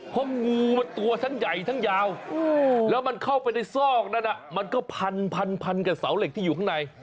เพราะงูมันตัวทั้งใหญ่ทั้งยาวแล้วมันเข้าไปในซอกนั้นมันก็พันกับเสาเหล็กที่อยู่ข้างใน